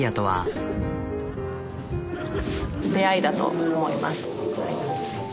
はい。